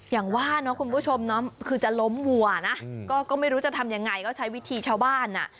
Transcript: อย่างว่าเนาะคุณผู้ชมเนาะคือจะล้มวัวนะก็ไม่รู้จะทำยังไงก็ใช้วิธีชาวบ้านอ่ะ